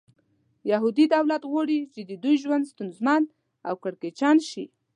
یهودي دولت غواړي چې د دوی ژوند ستونزمن او کړکېچن شي.